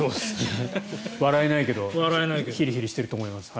笑えないけどヒリヒリしてると思います。